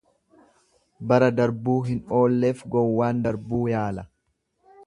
Bara darbuu hin oolleef gowwaan darbuu yaala.